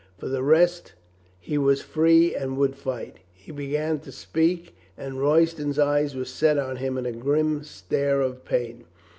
For the rest he was free and would fight. He began to speak and Royston's eyes were set on him in a grim stare of pain.